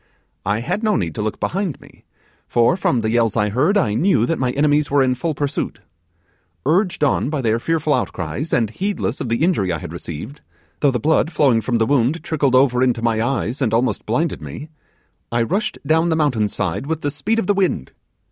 I had no need to look behind me, for, from the yells I heard, I knew that my enemies were in full pursuit. Urged on by their fearful outcries, and heedless of the injury I had received though the blood flowing from the wound trickled over into my eyes and almost blinded me I rushed down the mountain side with the speed of the wind.